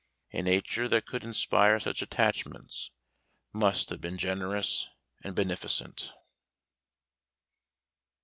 A nature that could inspire such attachments, must have been generous and beneficent.